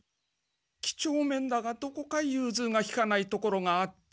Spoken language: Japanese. きちょうめんだがどこか融通がきかないところがあって。